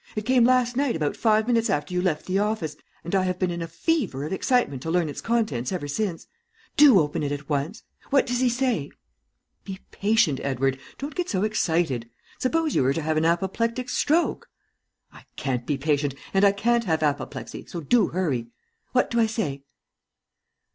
It came last night about five minutes after you left the office, and I have been in a fever of excitement to learn its contents ever since. Do open it at once. What does he say?" "Be patient, Edward, don't get so excited. Suppose you were to have an apoplectic stroke!" "I can't be patient, and I can't have apoplexy, so do hurry. What do I say?"